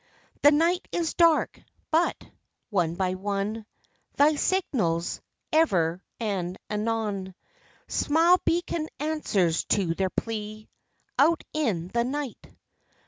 The night is dark but, one by one, Thy signals, ever and anon, Smile beacon answers to their plea, Out in the Night.